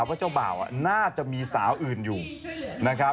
ว่าเจ้าบ่าวน่าจะมีสาวอื่นอยู่นะครับ